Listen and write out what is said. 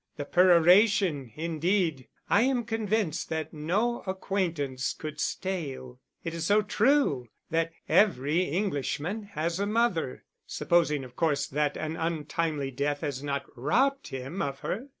The peroration, indeed, I am convinced that no acquaintance could stale. It is so true that "every Englishman has a mother" (supposing, of course, that an untimely death has not robbed him of her).